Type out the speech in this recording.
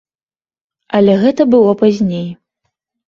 Але гэта было пазней.